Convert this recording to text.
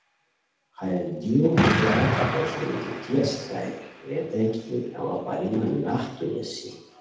ہے دیو کیاغ کی ہوسوم گیتی اسیتائے ریتائے کی اوا پاریمان نختو نیسی